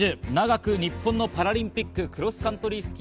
長く日本のパラリンピック・クロスカントリー